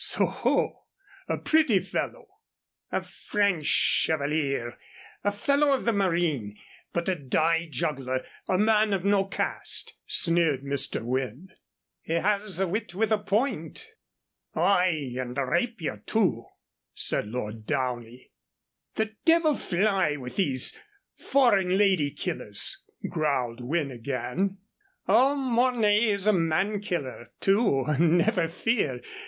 "Soho! a pretty fellow." "A French chevalier a fellow of the Marine; but a die juggler a man of no caste," sneered Mr. Wynne. "He has a wit with a point." "Ay, and a rapier, too," said Lord Downey. "The devil fly with these foreign lady killers," growled Wynne again. "Oh, Mornay is a man killer, too, never fear.